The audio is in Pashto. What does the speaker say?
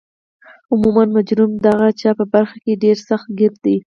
عموما مجرم د هغه چا په برخه کې ډیر سخت ګیره دی